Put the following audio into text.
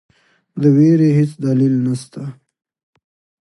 د وېرې هیڅ دلیل نسته.